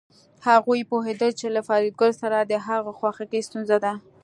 هغوی پوهېدل چې له فریدګل سره د هغه خواخوږي ستونزه ده